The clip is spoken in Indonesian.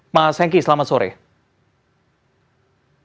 mas hengki selamat sore